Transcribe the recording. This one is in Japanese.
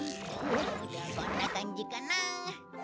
こんな感じかな。